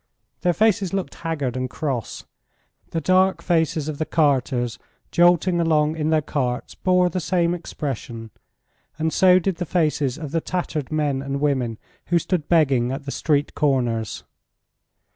Their faces looked haggard and cross. The dark faces of the carters jolting along in their carts bore the same expression, and so did the faces of the tattered men and women who stood begging at the street corners.